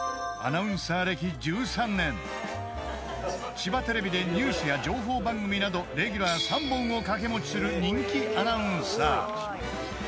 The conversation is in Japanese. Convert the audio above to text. ［千葉テレビでニュースや情報番組などレギュラー３本を掛け持ちする人気アナウンサー］